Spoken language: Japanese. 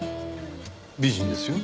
美人ですよ。